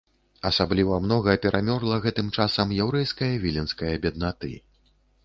Асабліва многа перамёрла гэтым часам яўрэйскае віленскае беднаты.